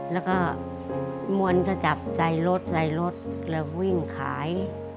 แล้วก็มวลก็จับใส่รถใส่รถแล้ววิ่งขาย